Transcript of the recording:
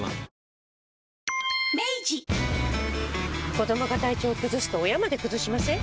子どもが体調崩すと親まで崩しません？